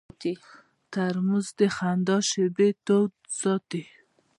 ترموز د خندا شېبې تود ساتي.